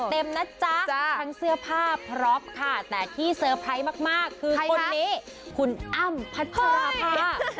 เต็มนะจ๊ะทั้งเสื้อผ้าพร้อมค่ะแต่ที่เซอร์ไพรส์มากคือคนนี้คุณอ้ำพัชราภา